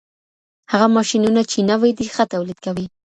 هغه ماشينونه چي نوي دي، ښه توليد کوي.